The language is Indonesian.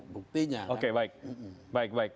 buktinya oke baik